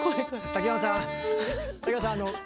竹山さん